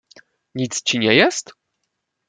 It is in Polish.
"nic ci nie jest?"